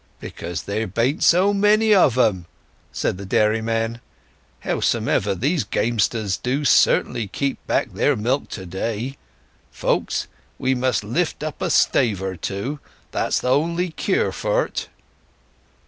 "Because there bain't so many of 'em," said the dairyman. "Howsomever, these gam'sters do certainly keep back their milk to day. Folks, we must lift up a stave or two—that's the only cure for't."